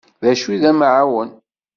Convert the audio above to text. D acu i d amaεun?